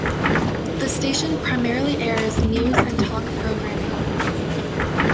The station primarily airs news and talk programming.